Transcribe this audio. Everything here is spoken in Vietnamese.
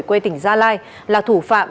quê tỉnh gia lai là thủ phạm